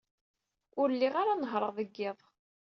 Ur lliɣ ara nehhṛeɣ deg yiḍ.